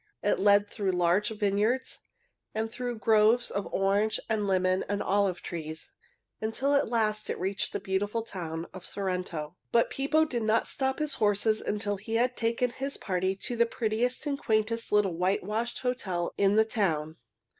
It led through large vineyards and through groves of orange and lemon and olive trees, until at last it reached the beautiful town of Sorrento. But Pippo did not stop his horses until he had taken his party to the prettiest and quaintest little whitewashed hotel in the town.